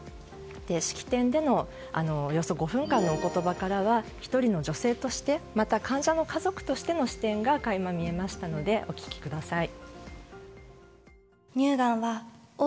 式典でのおよそ５分間のお言葉からは１人の女性としてまたは患者の家族としての視点が垣間見えましたのでお聞きください。